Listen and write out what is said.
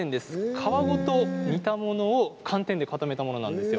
皮ごと煮たものを寒天で固めたものなんですよ。